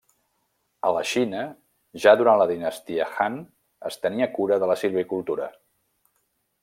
A la Xina ja durant la dinastia Han es tenia cura de la silvicultura.